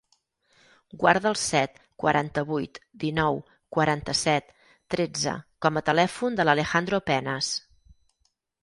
Guarda el set, quaranta-vuit, dinou, quaranta-set, tretze com a telèfon de l'Alejandro Penas.